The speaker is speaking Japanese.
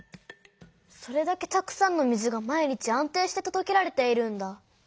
それだけたくさんの水が毎日安定してとどけられているんだ。